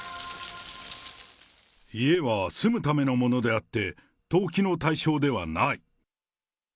家は住むためのものであって、投機の対象ではない。